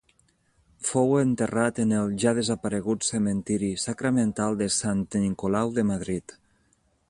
Fou enterrat en el ja desaparegut Cementiri Sacramental de Sant Nicolau de Madrid.